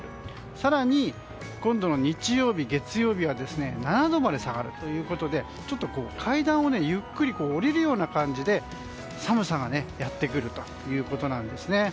更に今度の日曜日、月曜日は７度まで下がるということでちょっと階段をゆっくり下りるような感じで寒さがやってくるということなんですね。